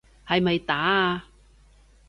係咪打啊？